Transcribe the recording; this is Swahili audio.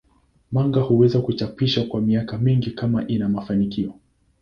Manga huweza kuchapishwa kwa miaka mingi kama ina mafanikio.